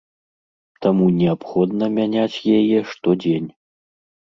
Таму неабходна мяняць яе штодзень.